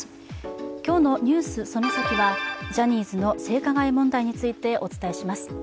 今日の「ＮＥＷＳそのサキ！」はジャニーズの性加害問題についてお伝えします。